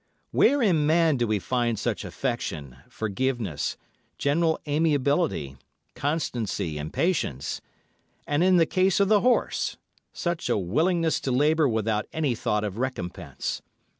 Where in man do we find such affection, forgiveness, general amiability, constancy and patience; and in the case of the horse, such a willingness to labour without any thought of recompense.